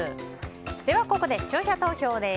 ここで視聴者投票です。